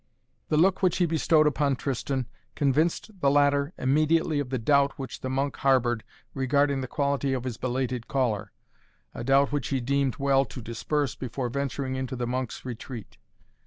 The look which he bestowed upon Tristan convinced the latter immediately of the doubt which the monk harbored regarding the quality of his belated caller, a doubt which he deemed well to disperse before venturing into the monk's retreat.